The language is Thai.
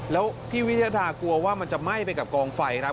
แล้วพี่วิทยาดากลัวว่ามันจะไหม้ไปกับกองไฟครับ